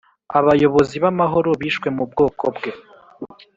abayobozi b'amahoro bishwe mu bwoko bwe.